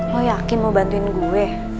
lo yakin mau bantuin gue